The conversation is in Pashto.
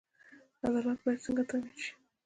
عدالت باید څنګه تامین شي؟